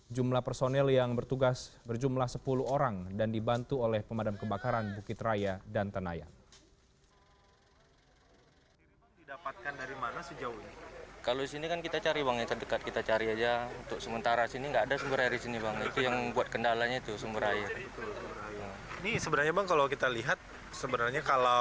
jumlah personel yang bertugas berjumlah sepuluh orang dan dibantu oleh pemadam kebakaran bukit raya dan tenayan